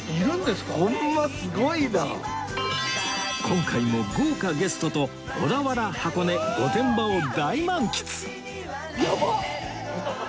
今回も豪華ゲストと小田原箱根御殿場を大満喫！